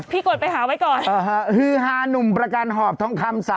พี่เช้าล่อนหน่อยของหนู